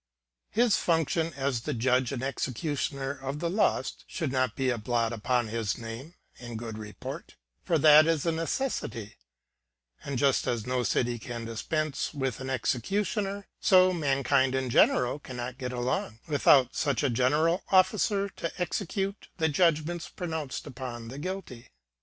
His function as the judge and executioner of the lost should not be a blot upon his name and good report; ^442 LtJDVIG HOLBBRQ for that is a necessity, and just as no city can dispense with an executioner, so mankind in general cannot get along without such a general officer to execute the judgments pronounced upon the guilty.